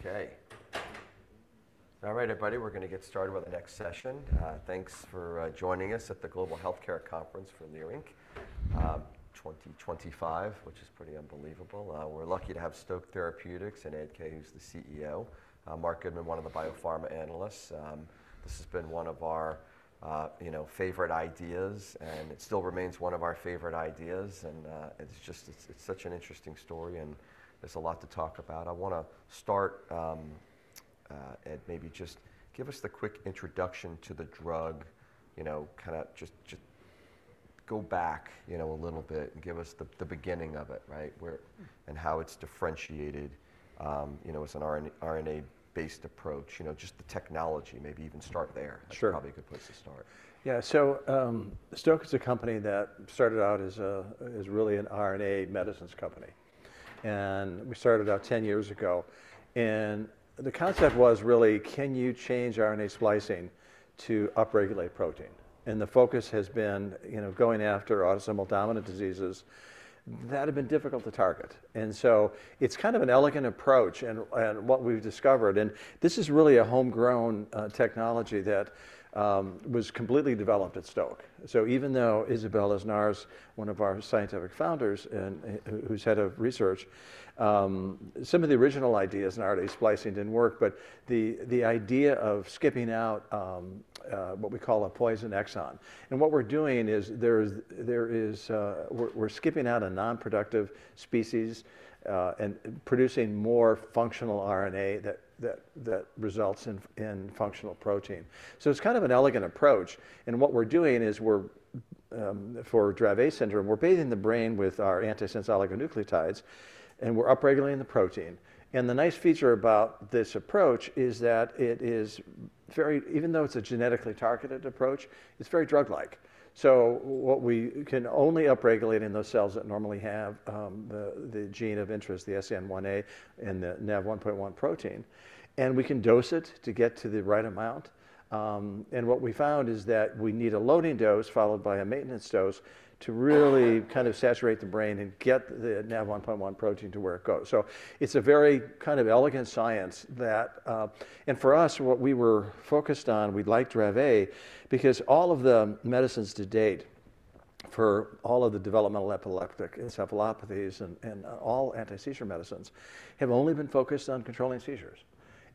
Okay. All right, everybody, we're going to get started with the next session. Thanks for joining us at the Global Healthcare Conference for Leerink 2025, which is pretty unbelievable. We're lucky to have Stoke Therapeutics and Ed Kaye, who's the CEO, Marc Goodman, one of the biopharma analysts. This has been one of our favorite ideas, and it still remains one of our favorite ideas. It's just, it's such an interesting story, and there's a lot to talk about. I want to start, Ed, maybe just give us the quick introduction to the drug, you know, kind of just go back, you know, a little bit and give us the beginning of it, right? How it's differentiated, you know, as an RNA-based approach, you know, just the technology, maybe even start there. That's probably a good place to start. Yeah. Stoke is a company that started out as really an RNA medicines company. We started about 10 years ago. The concept was really, can you change RNA splicing to upregulate protein? The focus has been, you know, going after autosomal dominant diseases that have been difficult to target. It is kind of an elegant approach. What we've discovered, and this is really a homegrown technology that was completely developed at Stoke. Even though Isabel Aznarez, one of our scientific founders and who's head of research, some of the original ideas in RNA splicing did not work, the idea of skipping out what we call a poison exon. What we're doing there is, we're skipping out a nonproductive species and producing more functional RNA that results in functional protein. It is kind of an elegant approach. What we're doing is, for Dravet syndrome, we're bathing the brain with our antisense oligonucleotides, and we're upregulating the protein. The nice feature about this approach is that it is very, even though it's a genetically targeted approach, it's very drug-like. What we can only upregulate in are those cells that normally have the gene of interest, the SCN1A and the NaV1.1 protein. We can dose it to get to the right amount. What we found is that we need a loading dose followed by a maintenance dose to really kind of saturate the brain and get the NaV1.1 protein to where it goes. It is a very kind of elegant science that, and for us, what we were focused on, we liked Dravet because all of the medicines to date for all of the developmental epileptic encephalopathies and all anti-seizure medicines have only been focused on controlling seizures.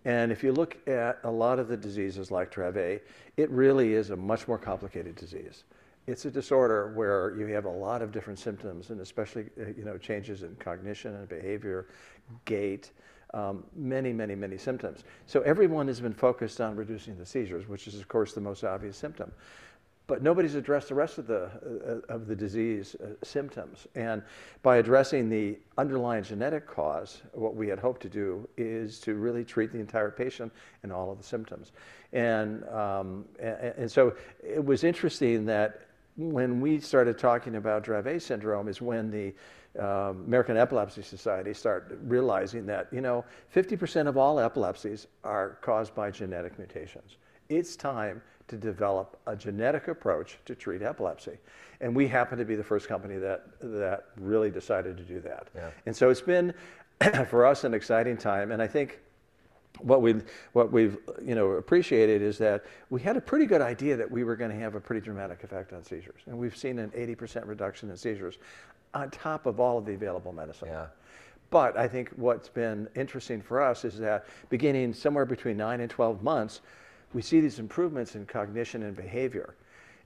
If you look at a lot of the diseases like Dravet, it really is a much more complicated disease. It is a disorder where you have a lot of different symptoms and especially, you know, changes in cognition and behavior, gait, many, many, many symptoms. Everyone has been focused on reducing the seizures, which is of course the most obvious symptom. Nobody's addressed the rest of the disease symptoms. By addressing the underlying genetic cause, what we had hoped to do is to really treat the entire patient and all of the symptoms. It was interesting that when we started talking about Dravet syndrome is when the American Epilepsy Society started realizing that, you know, 50% of all epilepsies are caused by genetic mutations. It's time to develop a genetic approach to treat epilepsy. We happen to be the first company that really decided to do that. It's been for us an exciting time. I think what we've, you know, appreciated is that we had a pretty good idea that we were going to have a pretty dramatic effect on seizures. We've seen an 80% reduction in seizures on top of all of the available medicine. Yeah. I think what's been interesting for us is that beginning somewhere between nine and 12 months, we see these improvements in cognition and behavior.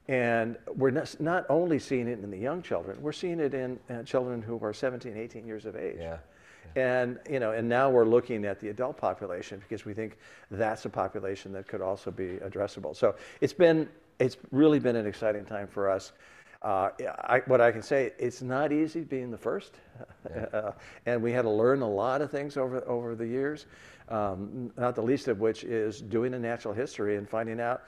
We're not only seeing it in the young children, we're seeing it in children who are 17, 18 years of age. Yeah. You know, now we're looking at the adult population because we think that's a population that could also be addressable. It's been, it's really been an exciting time for us. What I can say, it's not easy being the first. We had to learn a lot of things over the years, not the least of which is doing a natural history and finding out,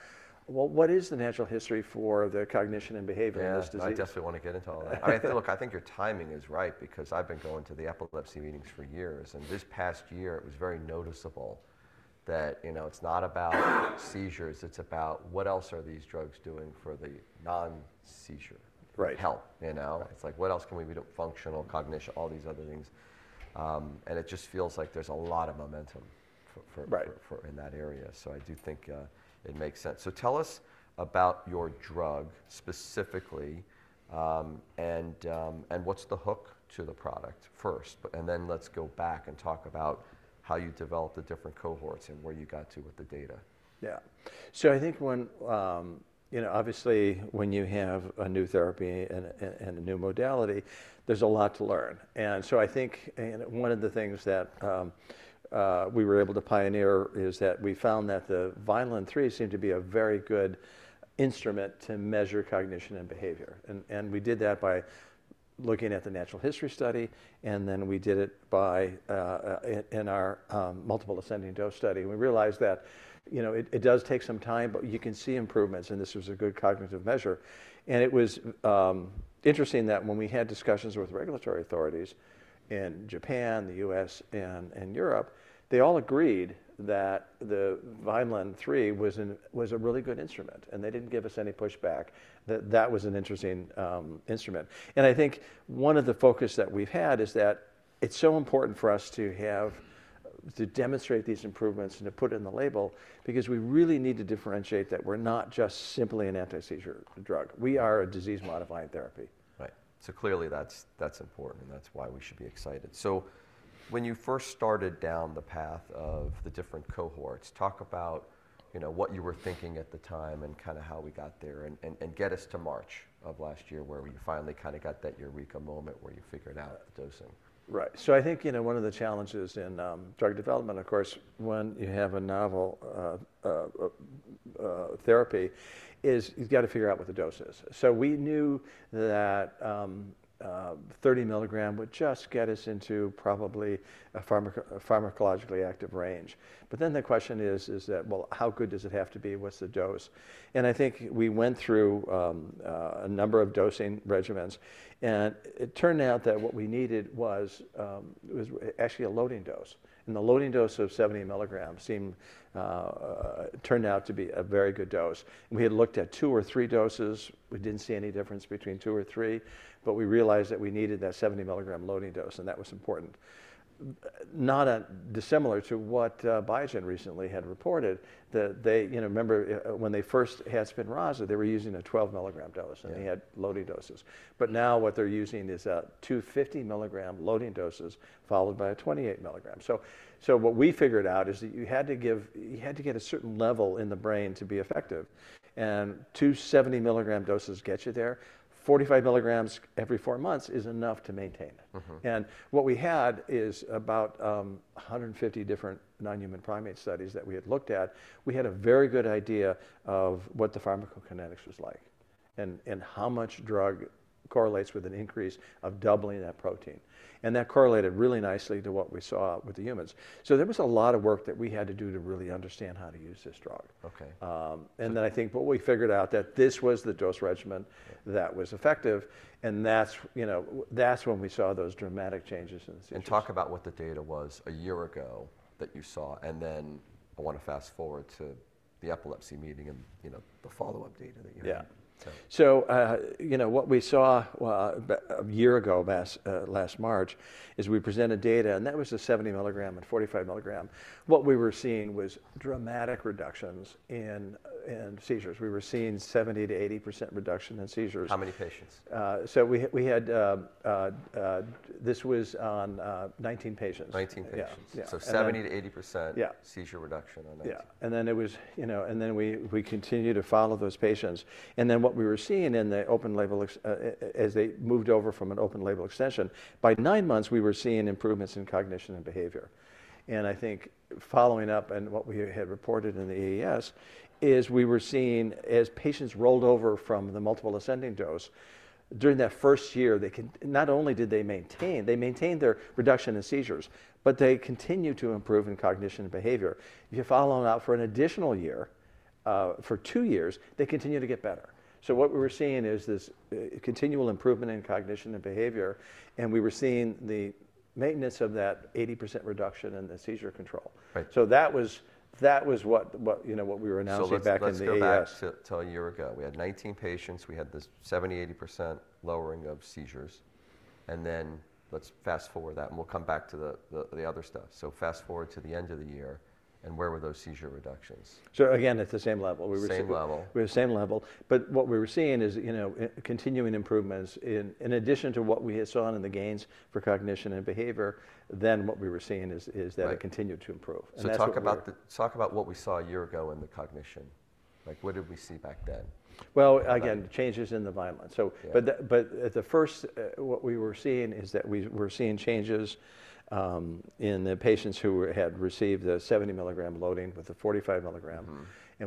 well, what is the natural history for the cognition and behavior of this disease? Yeah, I definitely want to get into all that. I think, look, I think your timing is right because I've been going to the epilepsy meetings for years. This past year, it was very noticeable that, you know, it's not about seizures, it's about what else are these drugs doing for the non-seizure help, you know? It's like, what else can we do? Functional, cognition, all these other things. It just feels like there's a lot of momentum in that area. I do think it makes sense. Tell us about your drug specifically and what's the hook to the product first. Then let's go back and talk about how you developed the different cohorts and where you got to with the data. Yeah. I think when, you know, obviously when you have a new therapy and a new modality, there's a lot to learn. I think one of the things that we were able to pioneer is that we found that the Vineland III seemed to be a very good instrument to measure cognition and behavior. We did that by looking at the natural history study. Then we did it in our multiple ascending dose study. We realized that, you know, it does take some time, but you can see improvements. This was a good cognitive measure. It was interesting that when we had discussions with regulatory authorities in Japan, the U.S., and Europe, they all agreed that the Vineland III was a really good instrument. They did not give us any pushback that that was an interesting instrument. I think one of the focus that we've had is that it's so important for us to have to demonstrate these improvements and to put it in the label because we really need to differentiate that we're not just simply an anti-seizure drug. We are a disease-modifying therapy. Right. Clearly that's important. That's why we should be excited. When you first started down the path of the different cohorts, talk about, you know, what you were thinking at the time and kind of how we got there and get us to March of last year where you finally kind of got that Eureka moment where you figured out the dosing. Right. I think, you know, one of the challenges in drug development, of course, when you have a novel therapy is you've got to figure out what the dose is. We knew that 30 mg would just get us into probably a pharmacologically active range. The question is, is that, well, how good does it have to be? What's the dose? I think we went through a number of dosing regimens. It turned out that what we needed was actually a loading dose. The loading dose of 70 mg turned out to be a very good dose. We had looked at two or three doses. We didn't see any difference between two or three, but we realized that we needed that 70 mg loading dose. That was important. Not dissimilar to what Biogen recently had reported that they, you know, remember when they first had Spinraza, they were using a 12 mg dose and they had loading doses. Now what they're using is 250 mg loading doses followed by a 28 mg. What we figured out is that you had to give, you had to get a certain level in the brain to be effective. 270 mg doses get you there. 45 mg every four months is enough to maintain. What we had is about 150 different non-human primate studies that we had looked at. We had a very good idea of what the pharmacokinetics was like and how much drug correlates with an increase of doubling that protein. That correlated really nicely to what we saw with the humans. There was a lot of work that we had to do to really understand how to use this drug. I think what we figured out was that this was the dose regimen that was effective. That's when we saw those dramatic changes in the seizures. Talk about what the data was a year ago that you saw. I want to fast forward to the epilepsy meeting and, you know, the follow-up data that you had. Yeah. You know, what we saw a year ago last March is we presented data and that was the 70 mg and 45 mg. What we were seeing was dramatic reductions in seizures. We were seeing 70% to 80% reduction in seizures. How many patients? We had, this was on 19 patients. Nineteen patients. Seventy to 80% seizure reduction on nineteen. Yeah. It was, you know, and then we continued to follow those patients. What we were seeing in the open label, as they moved over from an open label extension, by nine months we were seeing improvements in cognition and behavior. I think following up and what we had reported in the AES is we were seeing as patients rolled over from the multiple ascending dose, during that first year, they can, not only did they maintain, they maintained their reduction in seizures, but they continued to improve in cognition and behavior. If you follow them out for an additional year, for two years, they continue to get better. What we were seeing is this continual improvement in cognition and behavior. We were seeing the maintenance of that 80% reduction in the seizure control. That was what, you know, what we were announcing back in the AES. Let's go back to a year ago. We had 19 patients. We had this 70% to 80% lowering of seizures. Let's fast forward that and we'll come back to the other stuff. Fast forward to the end of the year and where were those seizure reductions? Again, at the same level. Same level. We were same level. What we were seeing is, you know, continuing improvements in addition to what we had saw in the gains for cognition and behavior, what we were seeing is that it continued to improve. Talk about what we saw a year ago in the cognition. Like what did we see back then? Again, changes in the Vineland. At first, what we were seeing is that we were seeing changes in the patients who had received the 70 mg loading with the 45 mg.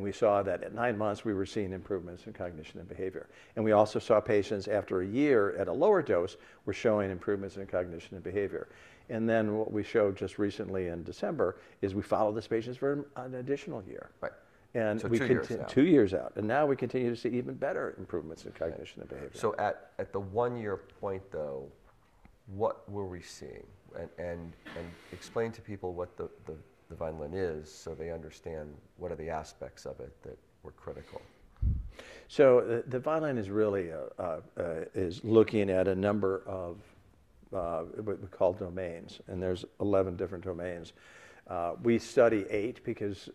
We saw that at nine months we were seeing improvements in cognition and behavior. We also saw patients after a year at a lower dose were showing improvements in cognition and behavior. What we showed just recently in December is we followed these patients for an additional year. We continued two years out. Now we continue to see even better improvements in cognition and behavior. At the one-year point though, what were we seeing? Explain to people what the Vineland is so they understand what are the aspects of it that were critical. The Vineland is really looking at a number of what we call domains. There are 11 different domains. We study eight because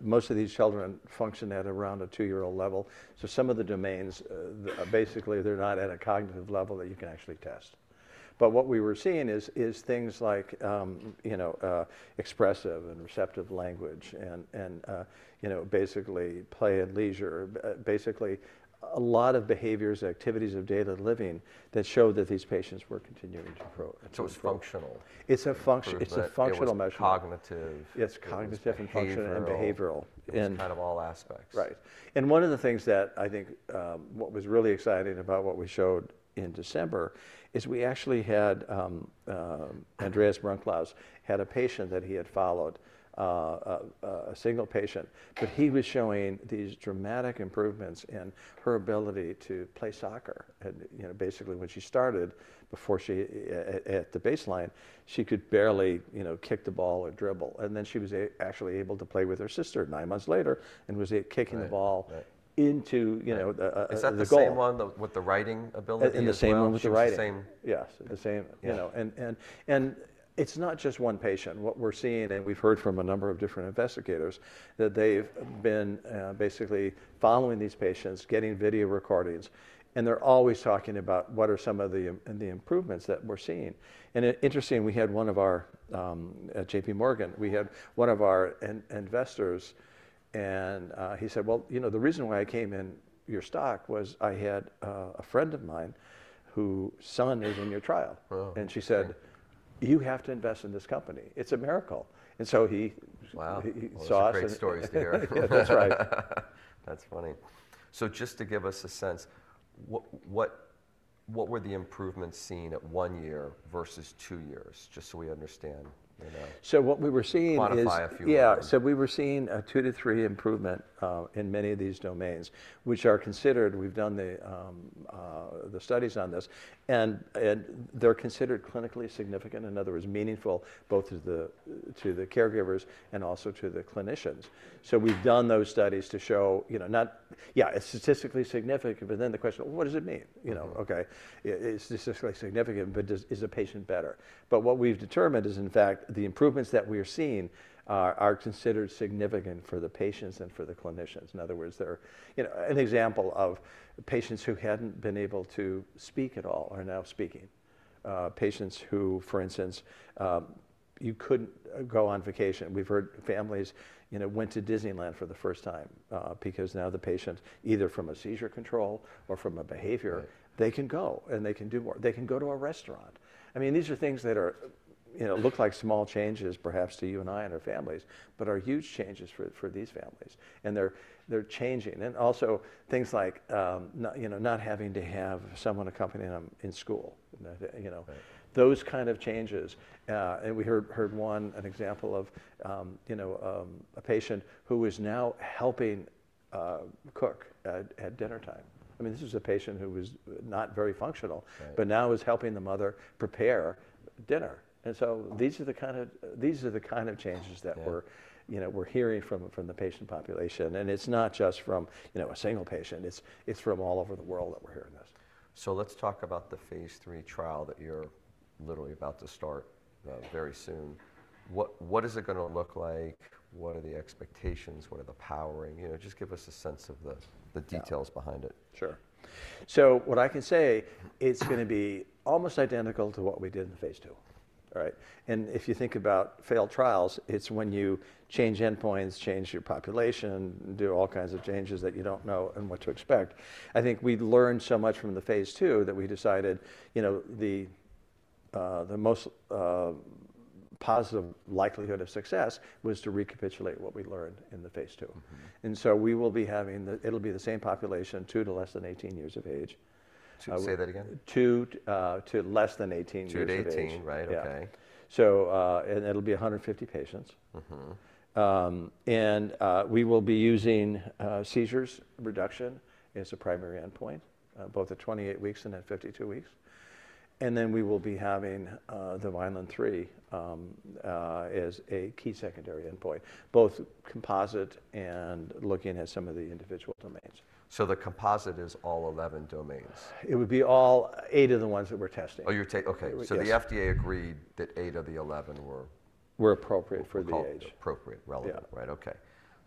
most of these children function at around a two-year-old level. Some of the domains, basically, they're not at a cognitive level that you can actually test. What we were seeing is things like, you know, expressive and receptive language and, you know, basically play and leisure. Basically a lot of behaviors, activities of daily living that show that these patients were continuing to grow. It's functional. It's a functional measure. It's cognitive. It's cognitive and functional and behavioral. It's kind of all aspects. Right. One of the things that I think what was really exciting about what we showed in December is we actually had Andreas Brunklaus had a patient that he had followed, a single patient, but he was showing these dramatic improvements in her ability to play soccer. You know, basically when she started before she at the baseline, she could barely, you know, kick the ball or dribble. She was actually able to play with her sister nine months later and was kicking the ball into, you know, the goal. Is that the same one with the writing ability? In the same one with the writing. Yes. The same, you know. It is not just one patient. What we are seeing and we have heard from a number of different investigators is that they have been basically following these patients, getting video recordings, and they are always talking about what are some of the improvements that we are seeing. Interesting, we had one of our, at J.P. Morgan, we had one of our investors and he said, you know, the reason why I came in your stock was I had a friend of mine whose son is in your trial. She said, you have to invest in this company. It is a miracle. He saw us. That's great stories to hear. That's right. That's funny. Just to give us a sense, what were the improvements seen at one year versus two years? Just so we understand. What we were seeing is. Quantify a few of them. Yeah. We were seeing a two to three improvement in many of these domains, which are considered, we've done the studies on this. They're considered clinically significant. In other words, meaningful both to the caregivers and also to the clinicians. We've done those studies to show, you know, not, yeah, statistically significant, but then the question, what does it mean? You know, okay, statistically significant, but is the patient better? What we've determined is in fact the improvements that we are seeing are considered significant for the patients and for the clinicians. In other words, they're, you know, an example of patients who hadn't been able to speak at all are now speaking. Patients who, for instance, you couldn't go on vacation. We've heard families, you know, went to Disneyland for the first time because now the patient, either from a seizure control or from a behavior, they can go and they can do more. They can go to a restaurant. I mean, these are things that are, you know, look like small changes perhaps to you and I and our families, but are huge changes for these families. They're changing. Also things like, you know, not having to have someone accompanying them in school, you know, those kind of changes. We heard one, an example of, you know, a patient who was now helping cook at dinnertime. I mean, this was a patient who was not very functional, but now was helping the mother prepare dinner. These are the kind of changes that we're, you know, we're hearing from the patient population. It's not just from, you know, a single patient. It's from all over the world that we're hearing this. Let's talk about the phase 3 trial that you're literally about to start very soon. What is it going to look like? What are the expectations? What are the powering? You know, just give us a sense of the details behind it. Sure. What I can say, it's going to be almost identical to what we did in phase 2. All right. If you think about failed trials, it's when you change endpoints, change your population, do all kinds of changes that you don't know and what to expect. I think we learned so much from the phase 2 that we decided, you know, the most positive likelihood of success was to recapitulate what we learned in the phase 2. We will be having, it'll be the same population, two to less than 18 years of age. Say that again. Two to less than 18 years of age. Two to 18, right? Okay. Yeah. It will be 150 patients. We will be using seizure reduction as a primary endpoint, both at 28 weeks and at 52 weeks. We will be having the Vineland III as a key secondary endpoint, both composite and looking at some of the individual domains. The composite is all 11 domains. It would be all eight of the ones that we're testing. Oh, you're taking, okay. The FDA agreed that eight of the 11 were. Were appropriate for the age. Appropriate, relevant, right? Okay.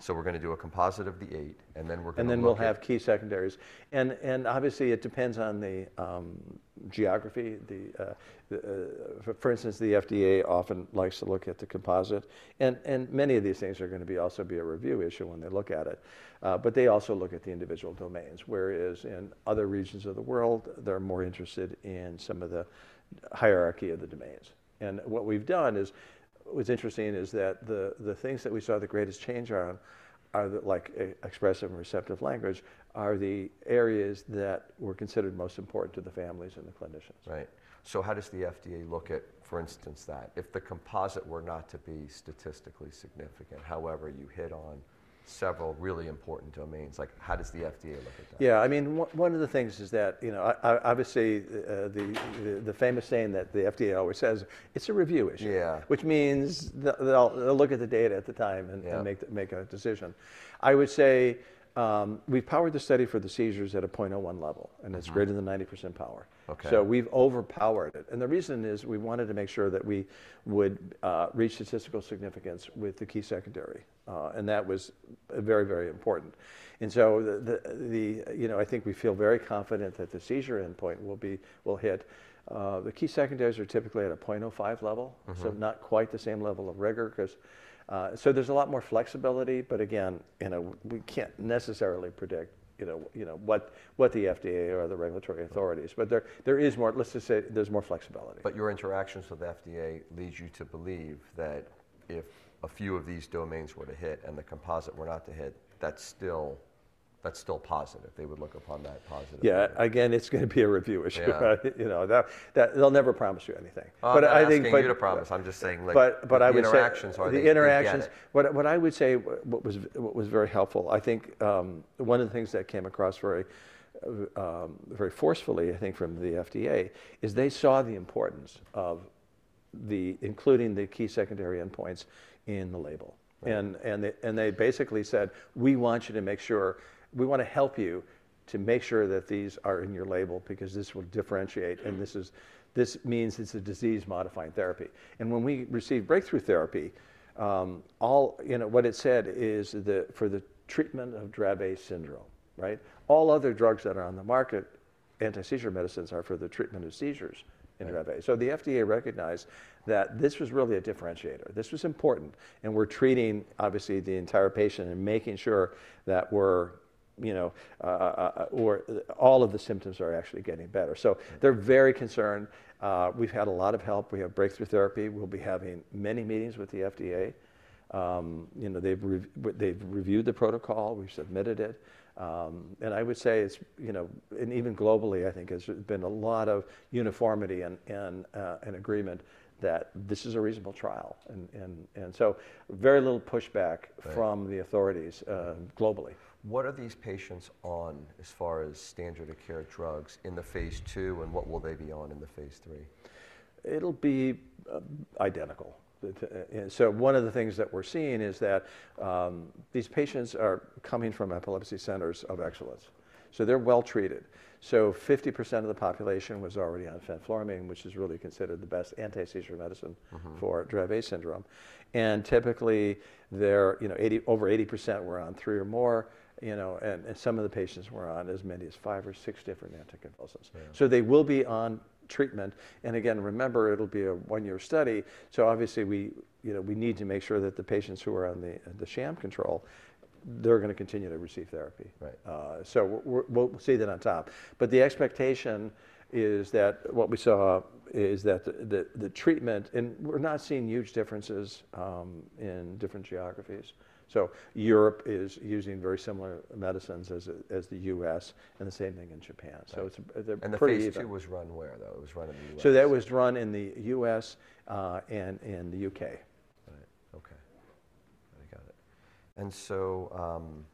We're going to do a composite of the eight and then we're going to. We'll have key secondaries. Obviously it depends on the geography. For instance, the FDA often likes to look at the composite. Many of these things are going to also be a review issue when they look at it. They also look at the individual domains, whereas in other regions of the world, they're more interested in some of the hierarchy of the domains. What we've done is, what's interesting is that the things that we saw the greatest change on are like expressive and receptive language, which are the areas that were considered most important to the families and the clinicians. Right. How does the FDA look at, for instance, that if the composite were not to be statistically significant, however you hit on several really important domains, like how does the FDA look at that? Yeah. I mean, one of the things is that, you know, obviously the famous saying that the FDA always says, it's a review issue. Yeah. Which means they'll look at the data at the time and make a decision. I would say we've powered the study for the seizures at a 0.01 level and it's greater than 90% power. We've overpowered it. The reason is we wanted to make sure that we would reach statistical significance with the key secondary. That was very, very important. You know, I think we feel very confident that the seizure endpoint will hit. The key secondaries are typically at a 0.05 level, not quite the same level of rigor because there's a lot more flexibility, but again, you know, we can't necessarily predict, you know, what the FDA or the regulatory authorities, but there is more, let's just say there's more flexibility. Your interactions with the FDA lead you to believe that if a few of these domains were to hit and the composite were not to hit, that's still positive. They would look upon that positively. Yeah. Again, it's going to be a review issue. You know, they'll never promise you anything. I'm not saying you to promise. I'm just saying like. I would say. What interactions are there? The interactions, what I would say, what was very helpful, I think one of the things that came across very forcefully, I think from the FDA is they saw the importance of the, including the key secondary endpoints in the label. They basically said, we want you to make sure, we want to help you to make sure that these are in your label because this will differentiate and this means it's a disease modifying therapy. When we received breakthrough therapy, all, you know, what it said is that for the treatment of Dravet syndrome, right? All other drugs that are on the market, anti-seizure medicines are for the treatment of seizures in Dravet. The FDA recognized that this was really a differentiator. This was important and we're treating obviously the entire patient and making sure that we're, you know, or all of the symptoms are actually getting better. So they're very concerned. We've had a lot of help. We have breakthrough therapy. We'll be having many meetings with the FDA. You know, they've reviewed the protocol. We've submitted it. I would say it's, you know, and even globally, I think there's been a lot of uniformity and agreement that this is a reasonable trial. Very little pushback from the authorities globally. What are these patients on as far as standard of care drugs in the phase 2 and what will they be on in the phase 3? It'll be identical. One of the things that we're seeing is that these patients are coming from epilepsy centers of excellence. They're well treated. 50% of the population was already on fenfluramine, which is really considered the best anti-seizure medicine for Dravet syndrome. Typically, you know, over 80% were on three or more, you know, and some of the patients were on as many as five or six different anticonvulsants. They will be on treatment. Again, remember it'll be a one-year study. Obviously, we, you know, we need to make sure that the patients who are on the sham control, they're going to continue to receive therapy. We'll see that on top. The expectation is that what we saw is that the treatment, and we're not seeing huge differences in different geographies. Europe is using very similar medicines as the US and the same thing in Japan. It is pretty even. The phase 2 was run where though? It was run in the U.S. That was run in the U.S. and in the U.K. Right. Okay. I got it.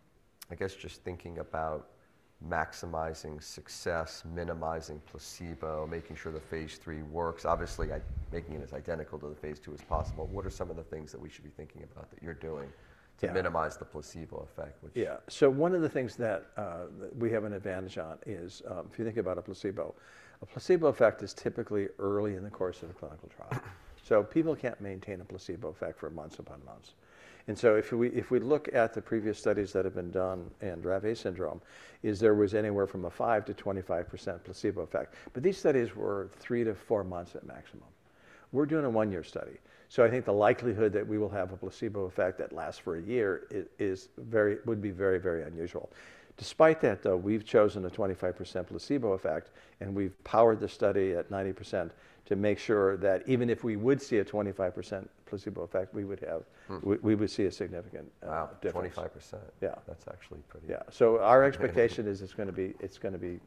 I guess just thinking about maximizing success, minimizing placebo, making sure the phase 3 works, obviously making it as identical to the phase 2 as possible. What are some of the things that we should be thinking about that you're doing to minimize the placebo effect? Yeah. One of the things that we have an advantage on is if you think about a placebo, a placebo effect is typically early in the course of the clinical trial. People can't maintain a placebo effect for months upon months. If we look at the previous studies that have been done in Dravet syndrome, there was anywhere from a 5% to 25% placebo effect. These studies were three to four months at maximum. We're doing a one-year study. I think the likelihood that we will have a placebo effect that lasts for a year would be very, very unusual. Despite that though, we've chosen a 25% placebo effect and we've powered the study at 90% to make sure that even if we would see a 25% placebo effect, we would see a significant difference. Wow. 25%. Yeah. That's actually pretty. Yeah. Our expectation is it's going to be, it's going to be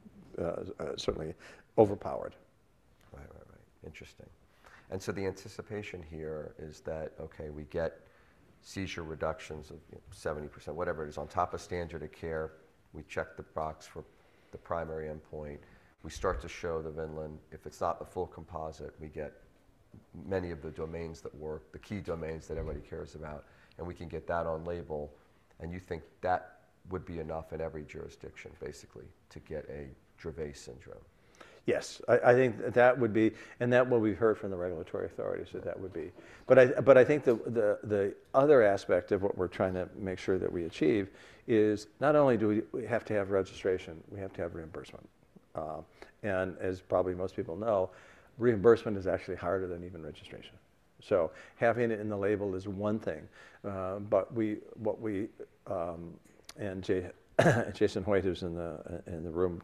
certainly overpowered. Right, right, right. Interesting. The anticipation here is that, okay, we get seizure reductions of 70%, whatever it is on top of standard of care. We check the box for the primary endpoint. We start to show the Vineland, if it's not the full composite, we get many of the domains that work, the key domains that everybody cares about, and we can get that on label. You think that would be enough in every jurisdiction basically to get a Dravet syndrome? Yes. I think that would be, and that what we've heard from the regulatory authorities that that would be. I think the other aspect of what we're trying to make sure that we achieve is not only do we have to have registration, we have to have reimbursement. As probably most people know, reimbursement is actually harder than even registration. Having it in the label is one thing. What we, and Jason Hoitt, who's in the room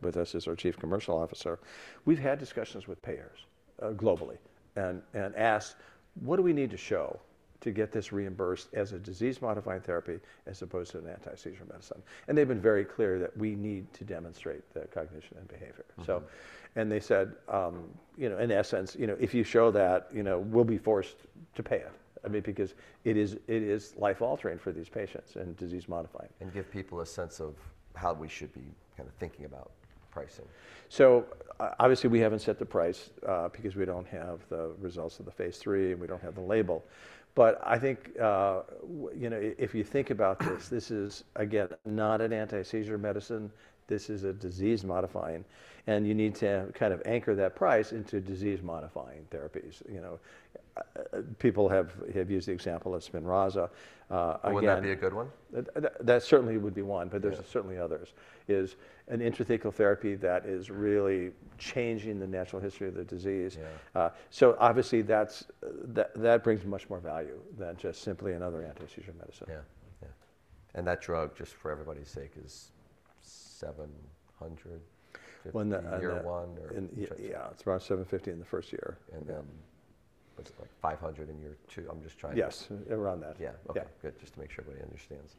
with us as our Chief Commercial Officer, we've had discussions with payers globally and asked, what do we need to show to get this reimbursed as a disease-modifying therapy as opposed to an anti-seizure medicine? They've been very clear that we need to demonstrate the cognition and behavior. They said, you know, in essence, you know, if you show that, you know, we'll be forced to pay it. I mean, because it is life-altering for these patients and disease modifying. Give people a sense of how we should be kind of thinking about pricing. Obviously we haven't set the price because we don't have the results of the phase 3 and we don't have the label. I think, you know, if you think about this, this is again, not an anti-seizure medicine. This is disease modifying. You need to kind of anchor that price into disease modifying therapies. You know, people have used the example of Spinraza. Wouldn't that be a good one? That certainly would be one, but there's certainly others. It is an intrathecal therapy that is really changing the natural history of the disease. Obviously that brings much more value than just simply another anti-seizure medicine. Yeah. Yeah. That drug, just for everybody's sake, is $700? Yeah. It's around 750 in the first year. What's it like, 500 in year two? I'm just trying to. Yes. Around that. Yeah. Okay. Good. Just to make sure everybody understands.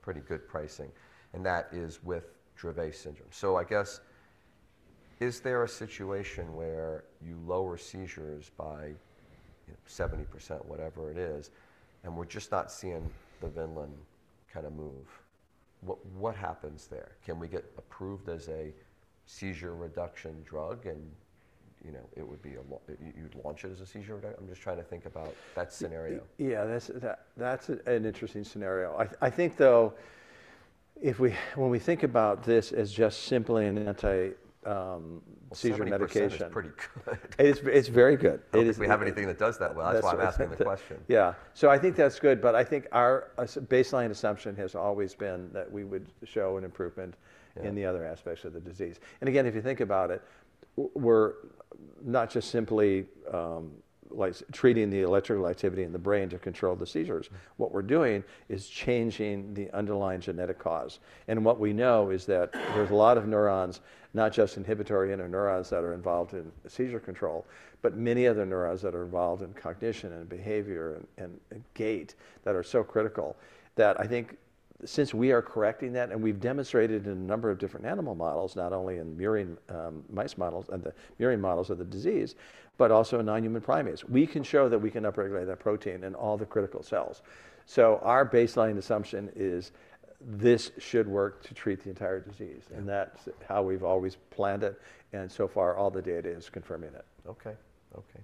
Pretty good pricing. That is with Dravet syndrome. I guess, is there a situation where you lower seizures by 70%, whatever it is, and we are just not seeing the Vineland kind of move? What happens there? Can we get approved as a seizure reduction drug and, you know, it would be a, you would launch it as a seizure reduction? I am just trying to think about that scenario. Yeah. That's an interesting scenario. I think though, if we, when we think about this as just simply an anti-seizure medication. Seizure medicine is pretty good. It's very good. We have anything that does that well. That is why I'm asking the question. Yeah. I think that's good. I think our baseline assumption has always been that we would show an improvement in the other aspects of the disease. Again, if you think about it, we're not just simply like treating the electrical activity in the brain to control the seizures. What we're doing is changing the underlying genetic cause. What we know is that there's a lot of neurons, not just inhibitory interneurons that are involved in seizure control, but many other neurons that are involved in cognition and behavior and gait that are so critical that I think since we are correcting that and we've demonstrated in a number of different animal models, not only in the murine models of the disease, but also in non-human primates, we can show that we can upregulate that protein in all the critical cells. Our baseline assumption is this should work to treat the entire disease. That's how we've always planned it. So far all the data is confirming that. Okay. Okay.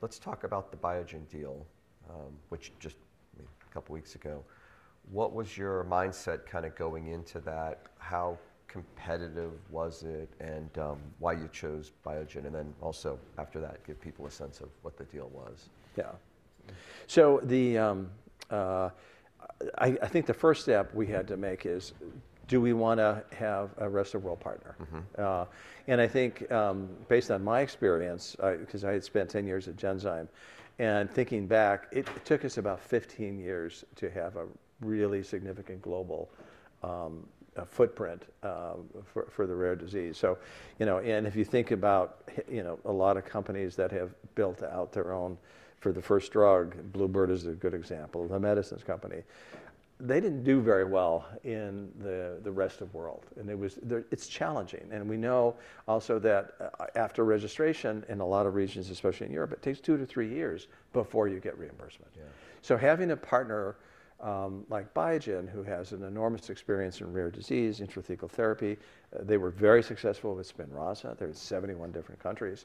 Let's talk about the Biogen deal, which just a couple of weeks ago. What was your mindset kind of going into that? How competitive was it and why you chose Biogen? Also after that, give people a sense of what the deal was. Yeah. The first step we had to make is do we want to have a rest of world partner? I think based on my experience, because I had spent 10 years at Genzyme, and thinking back, it took us about 15 years to have a really significant global footprint for the rare disease. You know, if you think about a lot of companies that have built out their own for the first drug, Bluebird is a good example of a medicines company. They did not do very well in the rest of world. It is challenging. We know also that after registration in a lot of regions, especially in Europe, it takes two to three years before you get reimbursement. Having a partner like Biogen, who has enormous experience in rare disease, intrathecal therapy, they were very successful with Spinraza. There were 71 different countries.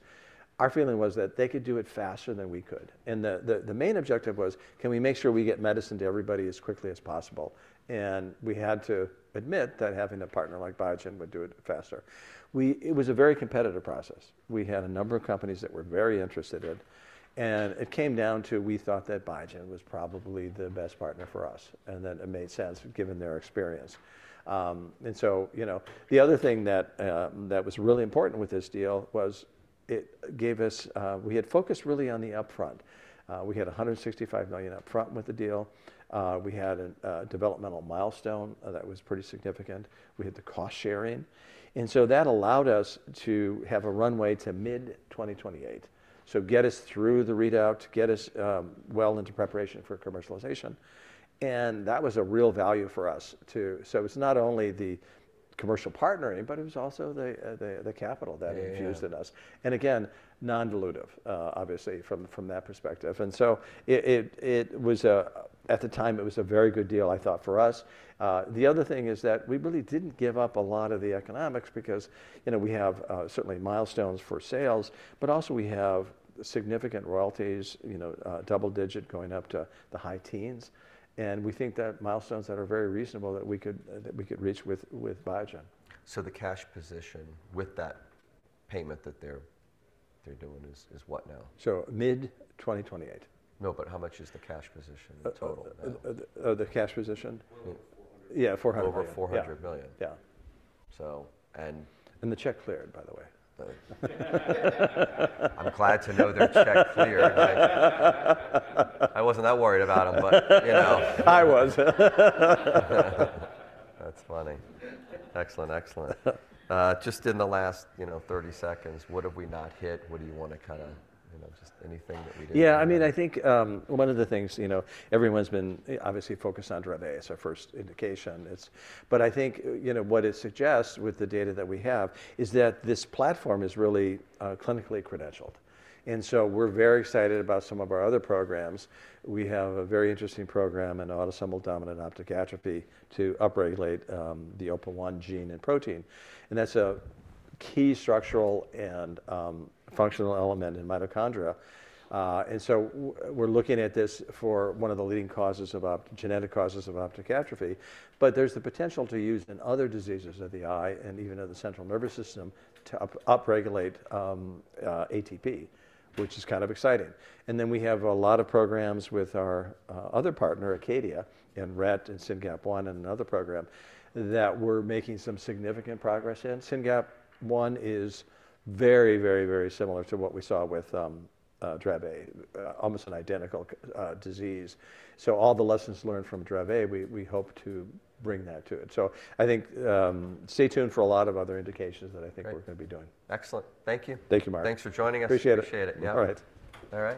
Our feeling was that they could do it faster than we could. The main objective was, can we make sure we get medicine to everybody as quickly as possible? We had to admit that having a partner like Biogen would do it faster. It was a very competitive process. We had a number of companies that were very interested in. It came down to, we thought that Biogen was probably the best partner for us. It made sense given their experience. You know, the other thing that was really important with this deal was it gave us, we had focused really on the upfront. We had $165 million upfront with the deal. We had a developmental milestone that was pretty significant. We had the cost sharing. That allowed us to have a runway to mid 2028. That gets us through the readout, gets us well into preparation for commercialization. That was a real value for us too. It was not only the commercial partnering, but it was also the capital that infused in us. Again, non-dilutive, obviously from that perspective. At the time, it was a very good deal, I thought for us. The other thing is that we really did not give up a lot of the economics because, you know, we have certainly milestones for sales, but also we have significant royalties, you know, double digit going up to the high teens. We think that milestones that are very reasonable that we could reach with Biogen. The cash position with that payment that they're doing is what now? Mid 2028. No, but how much is the cash position total? Oh, the cash position? Yeah. Yeah. $400 million. Over $400 million. Yeah. So, and. The check cleared, by the way. I'm glad to know their check cleared. I wasn't that worried about them, but you know. I was. That's funny. Excellent. Excellent. Just in the last, you know, 30 seconds, what have we not hit? What do you want to kind of, you know, just anything that we didn't? Yeah. I mean, I think one of the things, you know, everyone's been obviously focused on Dravet as our first indication. I think, you know, what it suggests with the data that we have is that this platform is really clinically credentialed. We are very excited about some of our other programs. We have a very interesting program in autosomal dominant optic atrophy to upregulate the OPA1 gene and protein. That is a key structural and functional element in mitochondria. We are looking at this for one of the leading genetic causes of optic atrophy, but there is the potential to use in other diseases of the eye and even of the central nervous system to upregulate ATP, which is kind of exciting. We have a lot of programs with our other partner, Acadia, in Rett and SYNGAP1 and another program that we're making some significant progress in. SYNGAP1 is very, very, very similar to what we saw with Dravet, almost an identical disease. All the lessons learned from Dravet, we hope to bring that to it. I think stay tuned for a lot of other indications that I think we're going to be doing. Excellent. Thank you. Thank you, Marc. Thanks for joining us. Appreciate it. Appreciate it. Yeah. All right. All right.